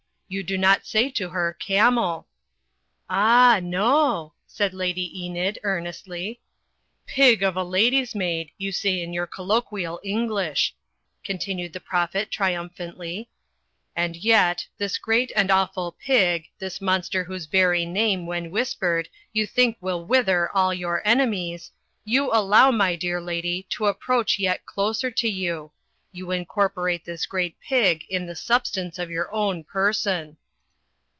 You do not say to her 'Camel/ " "Ah, no," said Lady Enid, earnestly. " Tig of a lady's maid,' you say in your colloquial English," continued the Prophet, triumphantly. "And Digitized by CjOOQ IC VEGETARIANISM 125 yet this great and awful Pig, this monster whose very name, when whispered, you think will wither all your enemies, you allow, my dear lady, to approach yet closer to you. You incorporate this great Pig in the substance of your own person."